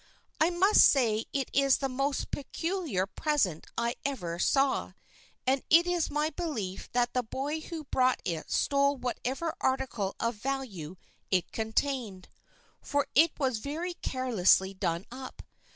"I must say it is the most peculiar present I ever saw, and it is my belief that the boy who brought it stole whatever article of value it contained, for it was very carelessly done up.